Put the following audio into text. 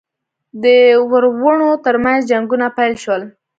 د وروڼو ترمنځ جنګونه پیل شول.